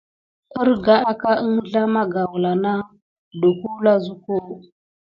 Ərga aka əŋslah magaoula las na don wula duko.